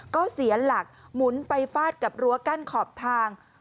ก็เสียหลักหมุนไปฟาดกับรั้วกั้นขอบทาง